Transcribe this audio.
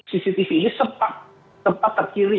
cctv ini sempat